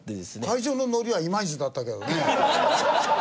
会場のノリはいまいちだったけどね。